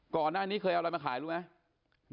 ก่อนหน้านี้เคยเอาอะไรมาขายรู้ไหม